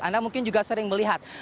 anda mungkin juga sering melihat